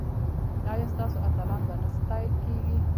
ایا ستاسو اتلان به نه ستایل کیږي؟